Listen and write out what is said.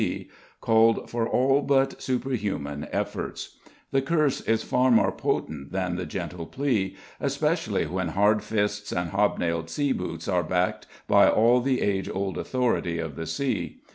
B., called for all but superhuman efforts. The curse is far more potent than the gentle plea, especially when hard fists and hobnailed sea boots are backed by all of the age old authority of the sea.